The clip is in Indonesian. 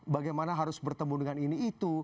bagaimana harus bertemu dengan ini itu